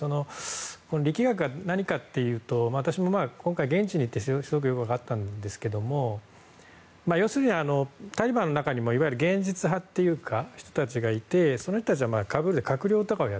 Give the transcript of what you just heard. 力学が何かというと私も今回、現地に行ってすごくよく分かったんですが要するに、タリバンの中にも現実派の人たちがいてその人たちは。